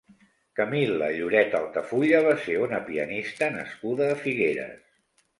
Camil·la Lloret Altafulla va ser una pianista nascuda a Figueres.